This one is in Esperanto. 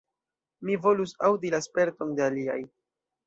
Mi volus aŭdi la sperton de aliaj.